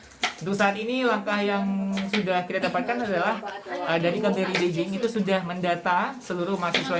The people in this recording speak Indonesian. untuk saat ini langkah yang sudah kita dapatkan adalah dari kbri beijing itu sudah mendata seluruh mahasiswa